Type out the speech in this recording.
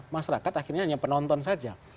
masyarakat akhirnya hanya penonton saja